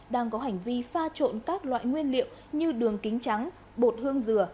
đang có hành vi pha trộn các loại nguyên liệu như đường kính trắng bột hương dừa